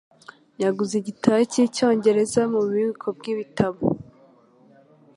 Yaguze igitabo cyicyongereza mububiko bwibitabo.